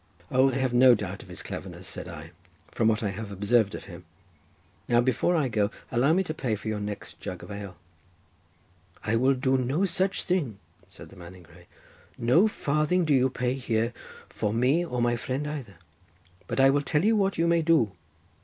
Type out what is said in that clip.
"O, I have no doubt of his cleverness," said I, "from what I have observed of him. Now before I go allow me to pay for your next jug of ale." "I will do no such thing," said the man in grey. "No farthing do you pay here for me or my friend either. But I will tell you what you may do.